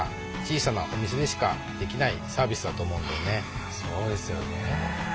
ああそうですよね。